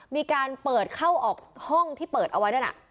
มีการเปิดเข้าออกห้องที่เปิดเอาไว้นั่นน่ะ